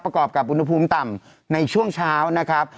กับอุณหภูมิต่ำในช่วงเช้านะครับ